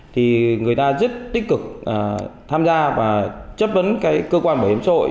thì người ta rất tích cực tham gia và chấp ấn cơ quan bảo hiểm xã hội